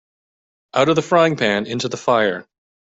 Out of the frying-pan into the fire.